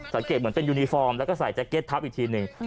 สังเกตเหมือนเป็นยูนิฟอร์มแล้วก็ใส่แจ็คเก็ตทับอีกทีหนึ่ง